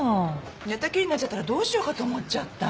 寝たきりになっちゃったらどうしようかと思っちゃった。